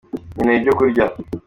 Nkeneye ibyo kurya.